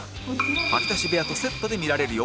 吐き出し部屋とセットで見られるよ